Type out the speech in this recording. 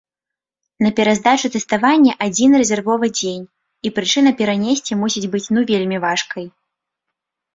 На пераздачу тэставання адзін рэзервовы дзень, і прычына перанесці мусіць быць ну вельмі важкай.